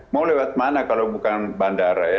mau lewat mana kalau bukan bandara ya